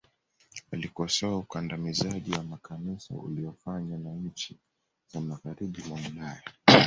alikosoa ukandamizaji wa makanisa uliyofanya na nchi za magharibi mwa ulaya